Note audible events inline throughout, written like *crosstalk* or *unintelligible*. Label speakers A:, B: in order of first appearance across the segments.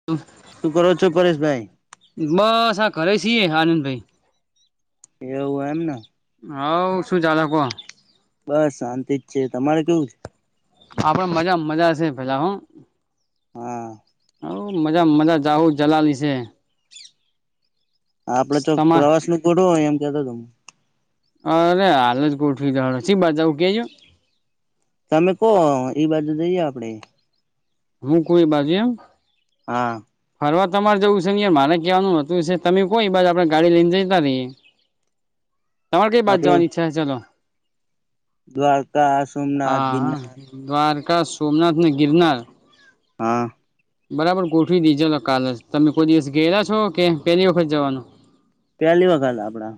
A: *unintelligible*
B: શું કરો છો પરેશભાઈ.
A: બસ આ ઘરે છીએ આનંદભાઈ.
B: એવું એમ ને.
A: હવ શું ચાલે કો.
B: બસ શાંતિ જ છે તમારે કેવું છે.
A: આપડે મજા મજાશે ભેલા હો.
B: હા.
A: હવ મજા મજા જાહું જલાલી છે.
B: આપડે ચોક
A: તમાર
B: પ્રવાસ નું ગોઠવો, એમ કેતો તમને.
A: અરે હાલ જ ગોઠવી જાણે છી બાજુ જેવું કેજો.
B: તમે કોહો ઈ બાજુ જઈએ આપડે.
A: હું કોઈ બાજુ એમ.
B: હા.
A: ફરવા તમારે જવું છે ને યાર મારે કહેવાનું હોતું હશે, તમે કો ઈ બાજુ આપડે ગાડી લઈને જતા રહીએ.
B: *unintelligible*
A: તમારે કઇ બાજુ
B: આપડે
A: જવાની ઈચ્છા છે ચલો.
B: દ્વારકા સોમનાથ
A: હા હા
B: ગિરનાર.
A: દ્વારકા સોમનાથ અને ગિરનાર.
B: હા.
A: બરાબર ગોઠવી દી ચલો કાલે જ તમે કોઈ દિવસ ગેલા છો કે પેલી વખત જવાનું.
B: પેલી વખત આપડા.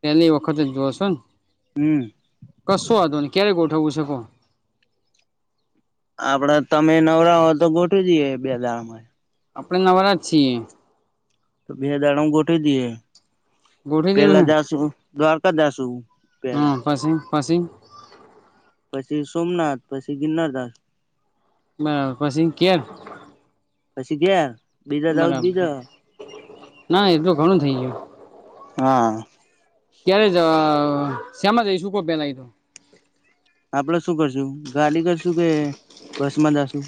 A: પેલી વખત જ જોશો ને.
B: હમ્મ.
A: કશો વાંધો નઈ ક્યારે ગોઠવવું છે કો.
B: આપડે તમે નવરા હોય તો ગોઠવવી દઈએ બે દાડામા જ.
A: આપણે નવારા જ છીએ.
B: તો બે દાડુંમા ગોઠવી દઈએ.
A: ગોઠવી દેવું
B: પેલા જાશુ દ્વારકા જાશુ પેલા.
A: પસી.
B: પછી સોમનાથ પછી ગિરનાર દાસ.
A: પછી ઘેર.
B: પછી ગયા.
A: બરાબર ના એટલું ઘણું થઇ ગયું.
B: હા.
A: ત્યારે જ શ્યામા જઈશું કો પેલા ઇતો.
B: આપડે શું કરશું ગાડી કરશું કે બસ માં જશુ.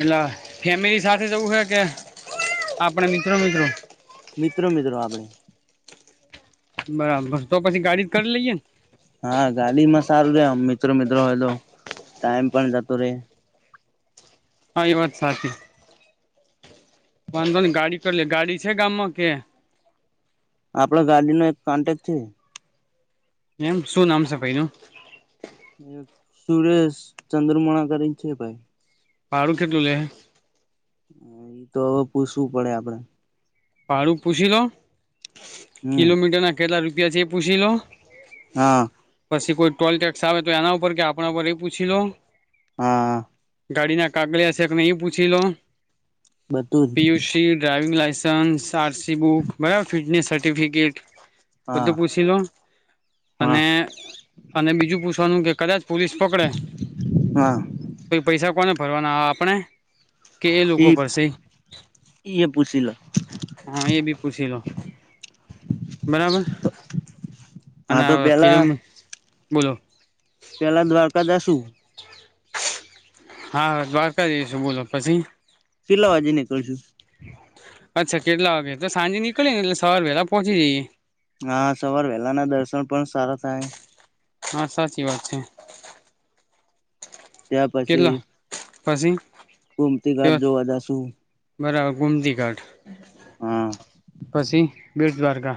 A: એટલા ફેમિલી સાથે જવું હે કે આપડે મિત્રો મિત્રો.
B: મિત્રો મિત્રો આપડે.
A: બરાબર તો પછી ગાડી જ કરી લઈએ ને.
B: હા ગાડી માં સારું રે આમ મિત્રો મિત્રો હોય તો ટાઈમ પણ જતો રહેે.
A: તારી વાત સાચી. વાંધો નહીં ગાડી કર લે ગાડી છે, ગામમાં કે
B: આપડો ગાડી નો એક કોન્ટેક્ટ છે.
A: એમ શું નામ છે, ભાઈ નું
B: સુરેશ ચંદ્રમણા કરીને છે, ભાઈ
A: *unintelligible* *inaudible*
B: ઈ તો હવે પૂછવું પડે આપડે
A: ભાડું પૂછી લો
B: હમ
A: કિલોમીટર ના કેટલા રૂપિયા છે, એ પૂછી લો.
B: હા,
A: પછી કોઈ ટોલ ટેક્સ આવે તો એના ઉપર કે આપણા ઉપર એ પૂછી લો.
B: હા.
A: ગાડી ના કાગલે હશેક નહી પૂછી લો
B: બધું જ
A: Piyush driving licence RC book બાયોફિટનેસ સર્ટીિફિકેટ.
B: હા
A: બધું પૂછી લો
B: હા
A: અને અને જું પૂછવાનું કે કદાચ પોલીસ. પકડે
B: હા
A: પ પૈસા કોને ફરવાના આપણે. કે એ લોકો
B: ઈ
A: પરસે.
B: એ પૂછી લ.
A: હા એ બી પૂછી લો. બરાબર
B: હા
A: અને
B: તો
A: કલો
B: પેલા
A: બોલો.
B: પેલા દ્વારકા દસું.
A: હા દ્વારકાશું બોલો પછી.
B: પેલા વાજે નીકળશું.
A: અચ્છા કેટલા વાગે તો સાંજે નીકળી ને એટલે સવાર વેલા પહોંચી જઈએ
B: હા સવાર વહેલા ના દર્શન પણ સારા થાય.
A: હા સાચી વાત છે
B: ત્યાં
A: કેટલા. પછી.
B: ગુમતી ઘાટ જોવા જશું.
A: બરાબર ગુમતી ઘાટ
B: હા
A: પછી બેડ દ્વારકા.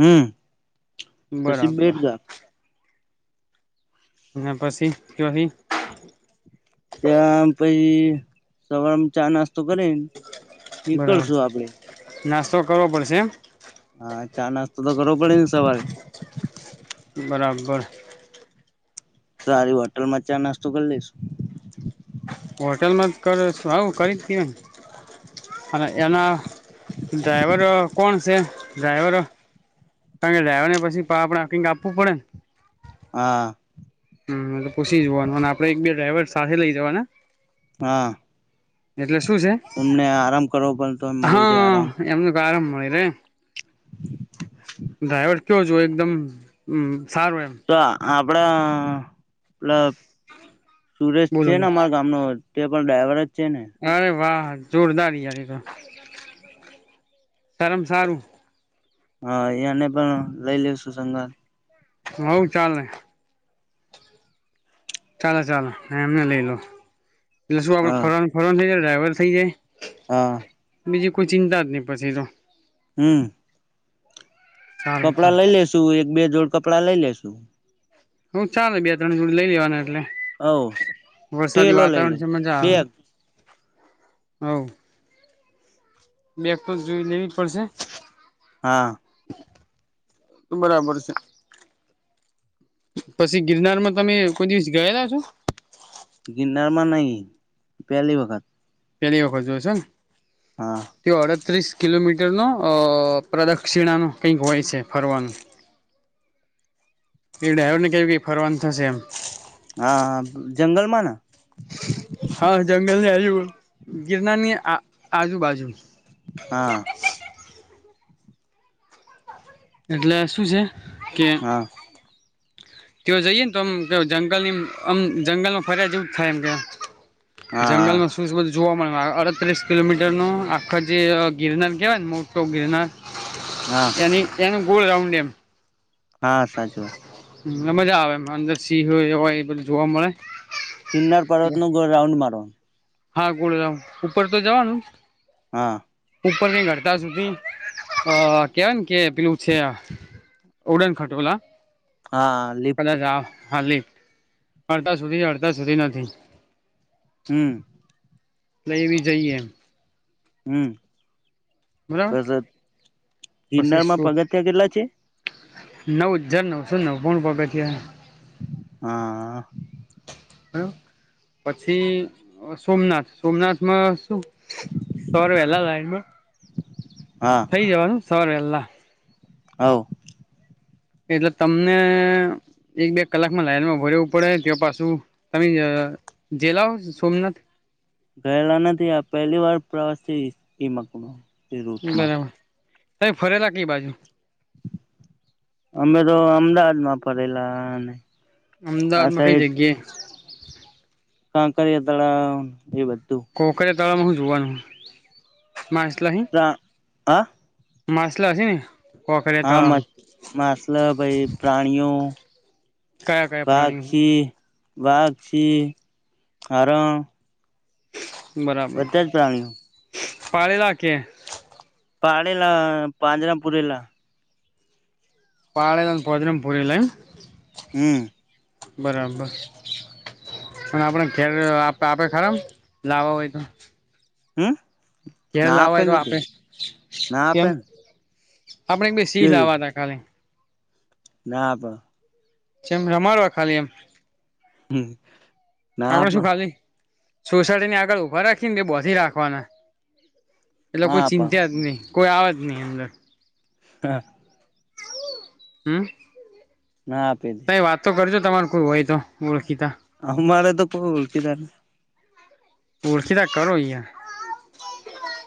B: હમ. પછી
A: બરાબર.
B: બેટઘાટ
A: ના બસી કછ.
B: ત્યા પછ સવાર ચા નાસ્તો કરેન.
A: બરાબર નાસ્તો કરવો પડશે એમ.
B: હા ચા નાસ્તો તો કરવો પડે ને સવારે.
A: બરાબર.
B: સારી હોટલ માં ચા નાસ્તો કરી લઈશું.
A: હોટેલમાં જ કર આવું કરી જ કેમ અને એના. ડ્રાઈવર. કોણ છે ડ્રાઈવરો કારણ કે ડ્રાઈવર ને પછી કક આપવું પડે ને.
B: હા.
A: હમ એટલે પૂછી જવાનું અને આપડે એક બે ડ્રાઈઇવર સાથે લઇ જવા ને.
B: હા
A: એટલે શું છે
B: એમને આરામ કરવો પણ તો મળી રહે
A: હા
B: આરામ
A: એમનું. આરામ મળી રે્રાયવડ. કયો છ એકદમમ સારું એમ.
B: તો આપડા પલ સુરેશ
A: બોલો
B: છે ને
A: બોલો
B: અરે. ગામનો તે પણ ડ્રાઈવર જ છે ને.
A: અરે વાહ જોરદારયાર તો શરમ સારું.
B: હા યા ને પણ લઈ લઉ સુું સંગત.
A: હઉ ચલેને. ચાાલ ચાલ એમને લઈ લો એટલે શું આપડે
B: હા
A: ફરન ફરન થઇ જાય ડ્રાઈવર થઇ જાય.
B: હા.
A: બીજી કોઈ ચિંતા જ નહી પછી તો.
B: હમ.
A: ચાલે
B: કપડાં
A: ચાલે
B: લઈ લેશુ એક બે જોડ કપડાં લઈ લેશુ.
A: હું ચાલે બે ત્રણ જોડ લઈ લેવાના એટલે,
B: હવ
A: વરસાદી
B: ટેલો લઈ લે
A: વાતાવરણ છે મજા આવે.
B: બેગ
A: હ. બે તો જોઈ લેવી જ પડશે.
B: હા.
A: બરાબર છે. પછી ગિરનાર માં તમે કોઈ દિવસ ગયેલા છો?
B: ગિનરમાં નહી, પેલી વખત.
A: પેલી વખત જો છન.
B: હા.
A: તે અડત્રીસ કિલોમીટર નો અ પ્રદક્ષિણા ન કંઈક હોય છે ફરવાનું.
B: *inaudible*
A: એ ડ્રાઈવરને કહ્યું કે ફરવાનું થશે એમ.
B: હા જંગલમાંન.
A: હા જંગલની આજુ ગિરનારની આજુ બાજુ.
B: હા.
A: એટલે શું છે કે
B: હા.
A: તેઓ જઈએ તો આમ કે જંગલ નીમ જંગલમાં ફરિયાજવું થાય એમ કેવા.
B: હા
A: જંગલમાં શું શ બધું જોવા મળે અડત્રીસ કિલોમીટરનું આખા જે ગિરનાર કહેવાય ને મોટ તો ગિરનાર.
B: હા.
A: એની એનું ગોલ રાઉન્ડે એમ.
B: હા સાજવા.
A: હ મજા આવે અંદર સિંહય હોય એ બધું જોવા મળે.
B: પિન્નાર પર્ત નું ગ રાઉન્ડ મારવા.
A: હા ગોળરામ ઉપર તો જવાનું.
B: હા.
A: ઉપર ની ઘડતા સુધી, અ કેવાય કે પેલું છે. ઉડન ખાટોલા.
B: હા. લિફ્ટ
A: કદાચ આવ હાલી, અડધા સુધી અડધા સુધી નથી.
B: હમ.
A: લઈવી જઈએ.
B: હમ,
A: બરાબર
B: બસ
A: પછી
B: ગિરનારમાં
A: શું
B: પગથિયા કેટલા છે?
A: નવ હજાર નવસો નવ્વાણું પગથીયા છે.
B: હા.
A: બ પછી સોમનાથ સોમનાથમાં શું સોરે વેલા લાઈનમાં.
B: હા.
A: કઈ જવાનું સરે વેલા.
B: હ.
A: એટલે તમને એક બે કલાકમાં લાઈનમાં ભરેવું પડે તે પાછું તમે જે લઓ સોમનાથ?
B: ઘાયલનાથી આપ પહેલી વાર પ્રવાસેથી માકમાં.
A: બરાબર, તઈ ફરેલા ક બાજુ?
B: અમે તો અમદાવાદમાં ફરેલા ને.
A: અમદાવાદમાંઈ જગ્ય
B: કાંકરિયા તળાવ એ બધું
A: કોક તળમાં હું જોવાનુંહ મા આસલા હિં
B: તા હ
A: માછલે હછ ન
B: હા માસલ ભાઈ પ્રાણીઓ
A: કયા કયા પ્રાણીઓ
B: બાગક્ષ બાગક્ષ હો
A: બરાબર
B: પ્રાણીઓ
A: પાળલા કે
B: પાડેલા પાંજરામપુરેલા
A: પાળલાન પોદનમપુરીલે
B: હમ્મ.
A: બરાબર. પણ આપડે ધેર આપ આપે ખરા લાવવા હોય તો.
B: હમ
A: ક્યારે
B: ના
A: લાવવા હોય તો
B: ને તે
A: આપે
B: ના
A: કેમ
B: આપે ને
A: આપણે બે સિંહ
B: કેવી
A: લાવવા
B: રીતે
A: ના ખાલી.
B: ના આપ.
A: જેમ રમાડવા ખાલી એમ.
B: હમ્મ.
A: આપણેે શું ખાલી સોસાયટી ને આગળ ઉભા રાખી ને બોધિથી રાખવાના. એ લોકો
B: ના આપે
A: ચિત્યાજ નહી કોઈ આવેજ નઈ અંદર.
B: કહા.
A: હમ્મ.
B: ના આપે.
A: તોયે વાત તો કરજો તમાર કોઈ હોય તો ઓળખીતા.
B: અમારે તો કોઈ ઓળખીતા જ ને
A: ઓળખીતા કરો યાર.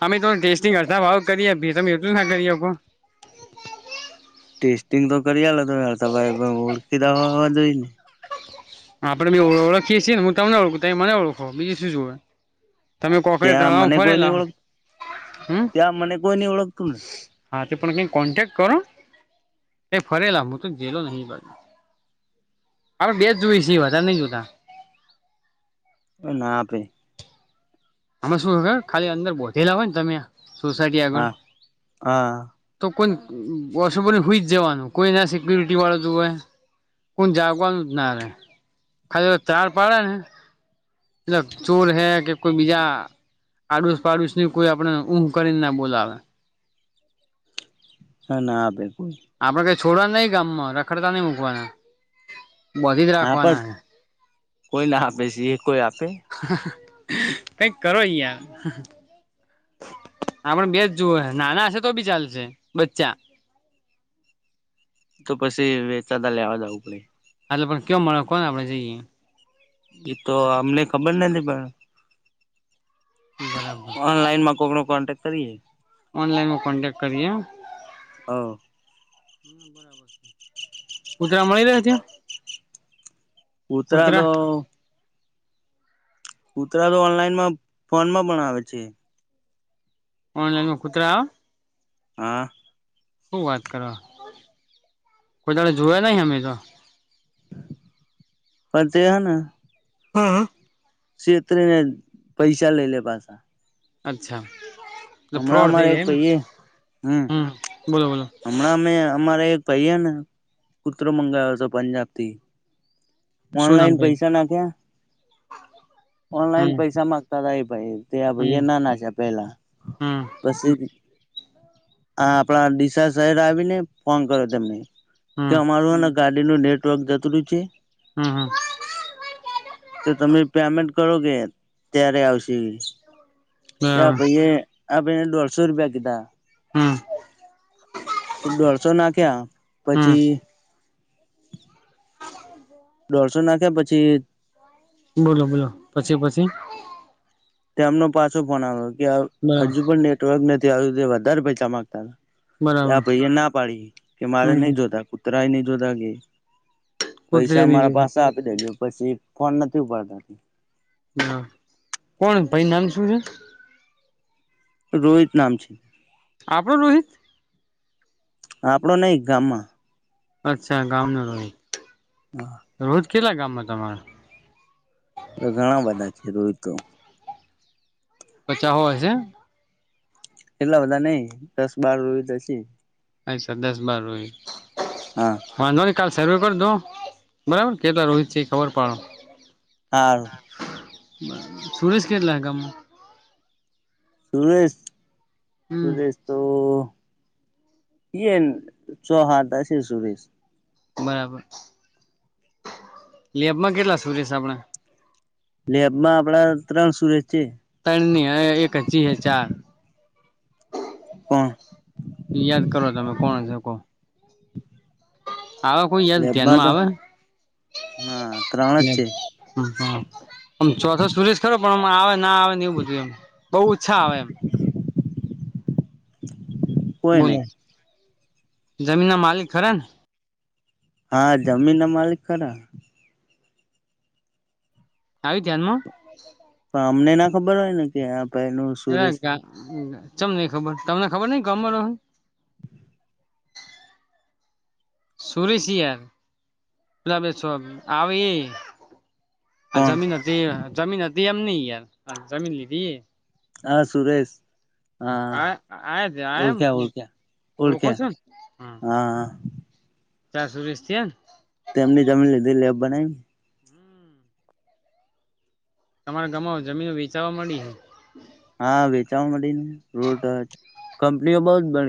A: અમે તો ટેસ્ટિંગ અડધા ભાવ કરી આપીએ તમે એટલું ના કરિ આપો.
B: ટેસ્ટિંગ તો કરી આલો ઓળખીતા હો હોવા જોઈ ને.
A: *inaudible* હ આપણે બે ઓ ઓળખીએ છીએ હું તમને ઓળખું તમે મને ઓળખો બીજુ શું જોવે. તમે કોકરે
B: ત્યાં
A: તળાવ
B: મને કોઈ નઈ
A: ફરેલા
B: ઓળખ
A: હમ્મ.
B: ત્યાં મને કોઈ નઈ ઓળખતું
A: હા તે પણ કઈ કોન્ટેક કરો એ ફરેલા હું તો જેેલો નહી બાર. આપડ બે જ જોઈ સી વાધાર નઈ જોતા.
B: અ ના આપે.
A: આમાં શું ખ ખાલી અંદર બોધેલા હોય ને તમે સોસાયટી આગળ.
B: હા હા
A: તો કોન વોશુભને હુંઈ જવાનું કોઈને સિક્યુરિટી વાળો જોવે કોણ જાગવાનું જ નારે, ખાલી તો ચાર પાડે ને તલબ ચોર હૈ કે કોઈ બીજા આડુસ પાડુસ ની કોઈ આપડે ઊં કરીને ના બોલાવે.
B: હા ના ભેગું
A: આપડે કઈ છોડવાના નઈ ગામ માં રખડતા નઈ મૂકવાના બોધી જ
B: આપે
A: રાખવાના હે.
B: કોઈ ના આપે સી. એ. કોઈ આપે.
A: કઈક કરો યાર. આપડ બે જ જુએ હે નાના હશે તો બી ચાલશે બચ્ચા.
B: તો પછી વેચાતા લેવા જવું પડે.
A: આટલે પણ કયો મળે કોન આપણે જઈએ.
B: એતો અમને ખબર નથી પણ
A: *inaudible*
B: ઓનલાઈનમાં કોઈનો કોન્ટેક્ટ કરીએે.
A: ઓનલાઈનમાં કોન્ટટેક્ટ કરીએ એમ.
B: હ અ.
A: હમ્મ બરાબર. કુતરા મળી રહ્યા છે.
B: કુતરા તો કૂતરા તો ઓનલાઈનમાં ફોન માં પણ આવે છે.
A: ઓનલાઈન માં કુતરા હ.
B: હા.
A: શું વાત કરો કોઈ દાડ જોયા નહિ અમે તો.
B: પર તે હ ન.
A: હ અ.
B: ક્ષેત્રે ને પૈસા લઈ લે પાછા.
A: અચ્છા અ
B: હમણાં
A: ફ્રોડ
B: અમારે
A: થઈ
B: એક
A: જાય એમ
B: ભાઈએ
A: હમ બોલો બોલો
B: હમણાં મેં અમારા એક ભાઈ હે ને કૂતરો મંગાયો તો પંજાબથી
A: શું નામ
B: ઓનલાઈન
A: ભાઈ
B: પૈસા નાખ્યા ઓનલાઈન
A: હમ
B: પૈસા મામાંગતા હતાાય ભાઈ તે એ
A: હમ
B: ના નાખ્યા પેલા
A: હમ
B: બસી આ આપણા ડીસા શહેર આવીને ફોન કર્યો તેમને કે
A: હમ
B: અમારું ગાડીનું નેટવર્ક જરૂર્યુ છે
A: હમ હમ
B: તો તમે પેમેન્ટ કરો કે ત્યારે આવશે તે એ
A: બરાબર
B: ભઈએ આ ભાઈને દોઢસો રૂપિયા કીધા
A: હમ
B: દોઢસો નાખ્યા
A: હમ
B: પછી
A: હ
B: દોઢસો નાખ્યા પછી
A: બોલો બોલો પછી પછી
B: તેમનો પાછો ફોન આવ્યો કે
A: બરાબર
B: હજુ પણ નેટવર્ક નથી આવ્યું તે વધારે પૈસા માંગતા હતા ત્યા
A: બરાબર
B: આ ભાઈ એ ના પાડી કે મારે
A: હમ હમ
B: નહી જોતા કૂતરાય નહી જોતા કે
A: કૂતરી
B: પૈસા
A: ની
B: માંરા
A: જોડે
B: પાસે આપી દેજો પછી ફોન નથી ઉપાડતા
A: હ કોણ ભાઈ નામ શું છે
B: રોહિત નામ છે
A: આપડો રોહિત
B: આપણો નહી ગામમાં
A: અચ્છા ગામ નો રોહિત
B: હા
A: રોજ કેટલા ગામમાં તમારા
B: તો ઘણા બધા છે રોહિત તો
A: પચા સો હશે
B: એટલા બધા નહિ દસ બાર રોહીત તો હશે
A: અચછા દસ બાર હોય
B: હા
A: વાંધો નહી કાલ સર્વે કરી દો બરાબર કેટલા રોહિત છે ખબર પાડો
B: હા
A: સુરેશ કેટલા ગામ
B: સુરેશ
A: હમ
B: સુરેશ તો એન છે હાથ હશે સુરેશ
A: બરાબર લેબમાં કેટલા સુરેશ છે આપણા
B: લેબમાં આપડા ત્રણ સુરેશ છે
A: તેણ ની હારે એક હજી હે ચાર
B: કોણ
A: યાદ કરો તમે કોણ છોકો આવેવા કોઈ યાદ
B: લેબમાં તો
A: ધ્યાનમાં
B: હા ત્રણ જ
A: આવે
B: છે
A: આમ ચોથો સુરેશ ખરો પણ આવે ના આવે એવું બધું એમ બહુ ઓછા આવે એમ
B: કોઈ
A: બોલો
B: નઈ
A: જમીન ના માલિક ખરા ને
B: હા, જમીન ના માલિક ખરા
A: આયુ ધ્યાન માં *inaudible*
B: પણ અમને ના ખબર હોય ને કે આ ભાઈ નું સુરેશ
A: ચમ નઈ ખબર તમને ખબર નહિ ગામ માં રો હો
B: *inaudible*
A: સુરેશ યાર દવા વેચવા આવે એ આ
B: કોણ
A: જમીન હતી, જમીન હતી એમ નઈ યાર જમીન લીધી હે,
B: હા, સુરેશ
A: આ
B: હા
A: આય છે, આ એમ
B: ઓળખ્યા ઓળખ્યા
A: ઓળખો
B: ઓળખ્યા
A: છોન હમ્મ
B: હા
A: ચારસો વીસ થયા ને,
B: તેમની જમીન લીધી લેબ બનાઈન
A: તમારા ગામમાં જમીન વેચાવા મડી હે,
B: હા, વેચાવા મડી ને રોડ ટચ કંપનીઓ બહ જ બની